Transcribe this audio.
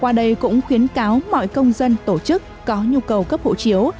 qua đây cũng khuyến cáo mọi công dân tổ chức có nhu cầu cấp hộ chiếu